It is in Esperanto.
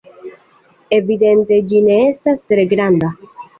Evidente ĝi ne estas tre granda.